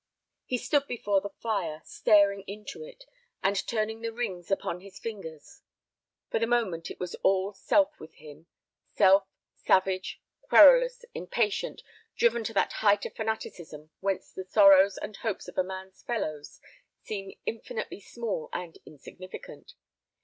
He stood before the fire, staring into it, and turning the rings upon his fingers. For the moment it was all self with him: self, savage, querulous, impatient, driven to that height of fanaticism whence the sorrows and hopes of a man's fellows seem infinitely small and insignificant.